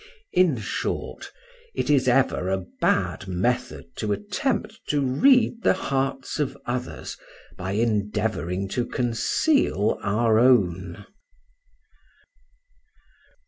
In short, it is ever a bad method to attempt to read the hearts of others by endeavoring to conceal our own.